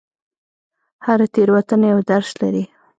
هره تېروتنه یو درس لري.